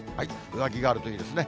上着があるといいですね。